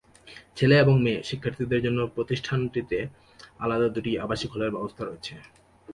ছেলে ও মেয়ে শিক্ষার্থীদের জন্য প্রতিষ্ঠানটিতে আলাদা দুটি আবাসিক হলের ব্যবস্থা রয়েছে।